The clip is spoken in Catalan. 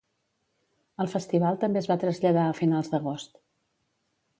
El festival també es va traslladar a finals d'agost.